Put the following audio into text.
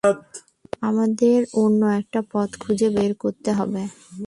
আমাদের অন্য একটা পথ খুঁজে বের করতে হবে।